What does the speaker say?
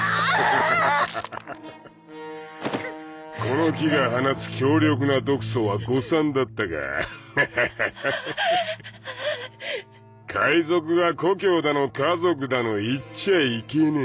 この樹が放つ強力な毒素は誤算だったかフッハハハ海賊が故郷だの家族だの言っちゃいけねえよ